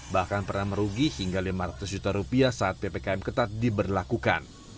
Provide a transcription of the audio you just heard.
bahkan pernah merugi hingga lima ratus juta rupiah saat ppkm ketat diberlakukan